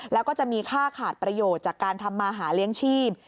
แล้วก็จะมีค่าขาดประโยชน์จากการทำมาหาเลี้ยงชีพ